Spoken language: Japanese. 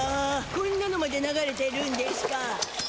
こんなのまで流れてるんでしゅか。